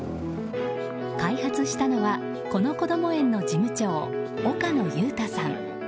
開発したのはこのこども園の事務長岡野祐太さん。